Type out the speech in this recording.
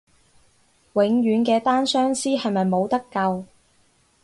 永遠嘅單相思係咪冇得救？